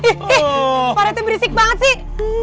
hii parah tuh berisik banget sih